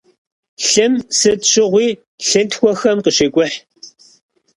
Лъым сыт щыгъуи лъынтхуэхэм къыщекӀухь.